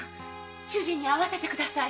主人に会わせてください。